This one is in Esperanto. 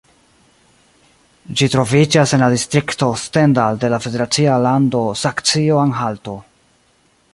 Ĝi troviĝas en la distrikto Stendal de la federacia lando Saksio-Anhalto.